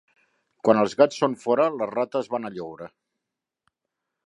Quan els gats són fora les rates van a lloure.